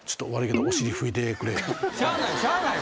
しゃあない。